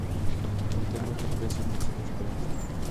Un tema que ofrece un mensaje de esperanza.